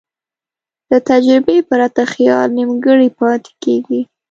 له تجربې پرته خیال نیمګړی پاتې کېږي.